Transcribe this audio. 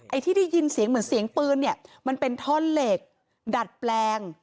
ที่ได้ยินเสียงเหมือนเสียงปืนเนี่ยมันเป็นท่อนเหล็กดัดแปลง